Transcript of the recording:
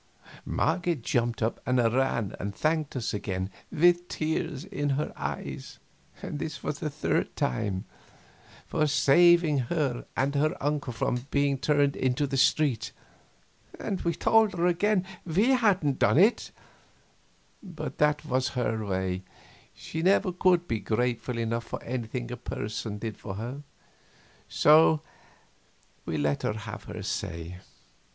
Marget jumped up and ran and thanked us again, with tears in her eyes this was the third time for saving her and her uncle from being turned into the street, and we told her again we hadn't done it; but that was her way, she never could be grateful enough for anything a person did for her; so we let her have her say.